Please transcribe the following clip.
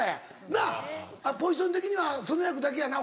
なっポジション的にはその役だけやな？